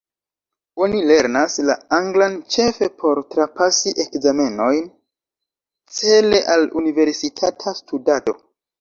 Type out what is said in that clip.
Oni lernas la anglan ĉefe por trapasi ekzamenojn cele al universitata studado.